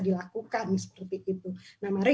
dilakukan seperti itu nah mari